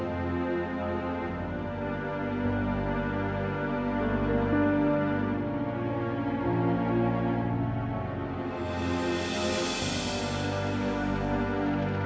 kamu keterlaluan kenapa kamu nggak bilang sama aku